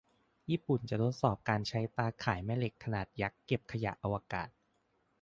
ญี่ปุ่นจะทดสอบการใช้ตาข่ายแม่เหล็กขนาดยักษ์เก็บขยะอวกาศ